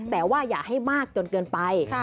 แต่ว่าอย่าให้มากจนเกินไป